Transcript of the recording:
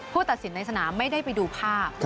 ตัดสินในสนามไม่ได้ไปดูภาพ